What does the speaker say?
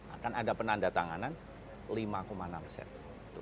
akan ada penanda tanganan lima enam persen